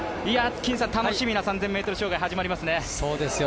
楽しみな３０００ｍ障害始まりますね。